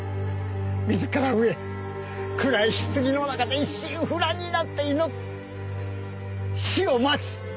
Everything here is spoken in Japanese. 自ら飢え暗い棺の中で一心不乱になって祈り死を待つ。